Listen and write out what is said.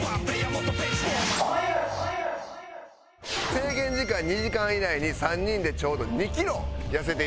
制限時間２時間以内に３人でちょうど２キロ痩せていただきます。